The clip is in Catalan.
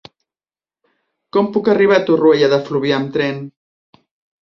Com puc arribar a Torroella de Fluvià amb tren?